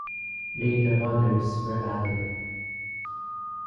Later others were added.